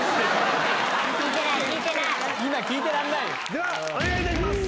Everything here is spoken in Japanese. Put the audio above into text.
ではお願いいたします。